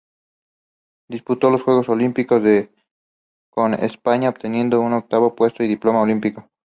Disputó los Juegos Olímpicos de con España, obteniendo un octavo puesto y diploma olímpico.